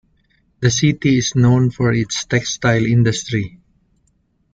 The city is known for its textile industry.